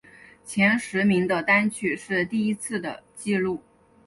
前十名的单曲是第一次的记录。